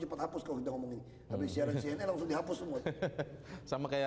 cepet hapus kau jauh lebih habis ya resmi langsung dihapus semua sama kayak